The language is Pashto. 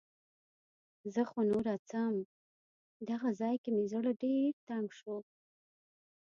زه خو نوره څم. دغه ځای کې مې زړه ډېر تنګ شو.